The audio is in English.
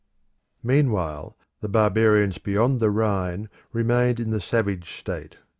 Meanwhile the barbarians beyond the Rhine remained in the savage state.